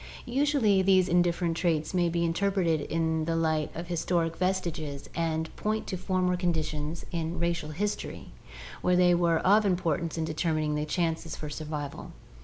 Usually these indifferent traits may be interpreted in the light of historic vestiges and point to former conditions in racial history where they were of importance in determining the chances for survival.